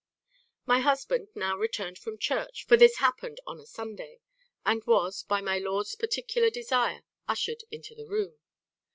"My husband now returned from church (for this happened on a Sunday), and was, by my lord's particular desire, ushered into the room.